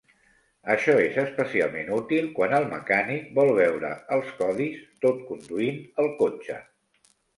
Això és especialment útil quan el mecànic vol veure els codis tot conduint el cotxe.